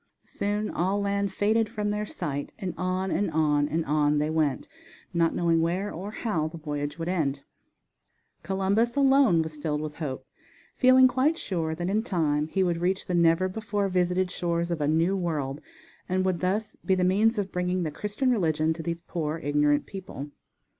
Soon all land faded from their sight, and on, and on, and on they went, not knowing where or how the voyage would end. Columbus alone was filled with hope, feeling quite sure that in time he would reach the never before visited shores of a New World, and would thus be the means of bringing the Christian religion to these poor, ignorant people.